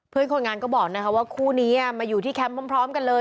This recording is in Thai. เพื่อนคนงานก็บอกนะคะว่าคู่นี้มาอยู่ที่แคมป์พร้อมกันเลย